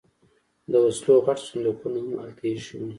د وسلو غټ صندوقونه هم هلته ایښي وو